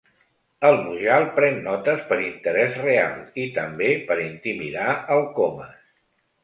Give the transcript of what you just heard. El Mujal pren notes per interès real i també per intimidar el Comas.